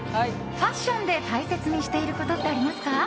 ファッションで大切にしていることってありますか？